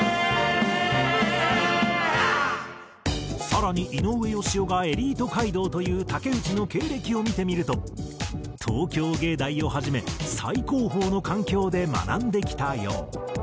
更に井上芳雄がエリート街道と言う竹内の経歴を見てみると東京藝大をはじめ最高峰の環境で学んできたよう。